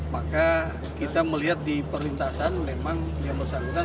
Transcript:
maka kita melihat di perlintasan memang yang bersangkutan